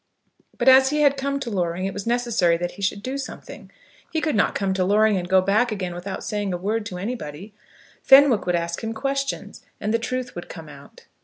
But as he had come to Loring, it was necessary that he should do something. He could not come to Loring and go back again without saying a word to anybody. Fenwick would ask him questions, and the truth would come out.